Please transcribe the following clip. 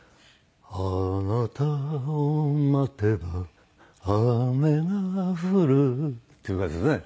「あなたを待てば雨が降る」っていう感じですね。